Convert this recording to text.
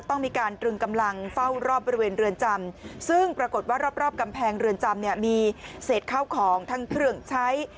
ต้องมีการตรึงกำลังเฝ้ารอบบริเวณเรือนจำซึ่งปรากฏว่ารอบรอบกำแพงเรือนจำเนี่ยมีเศษข้าวของทั้งเครื่องใช้